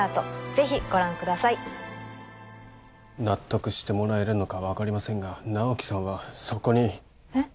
ぜひご覧ください納得してもらえるのかわかりませんが直木さんはそこにえっ？